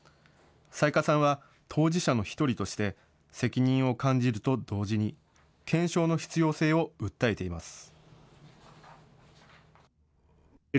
雑賀さんは当事者の１人として責任を感じると同時に検証の必要性を訴えています。